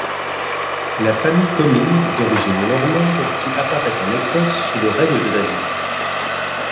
La famille Comyn d'origine normande qui apparaît en Écosse sous le règne de David.